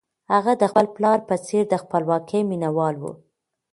هغه د خپل پلار په څېر د خپلواکۍ مینه وال و.